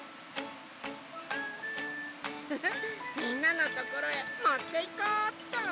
フフみんなのところへもっていこっと！